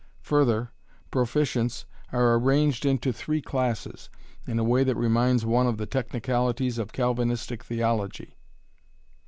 Further, proficients are arranged into three classes, in a way that reminds one of the technicalities of Calvinistic theology.